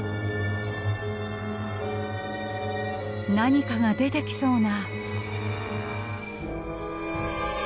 何かが出てきそうな。